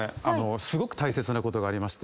すごく大切なことがありまして。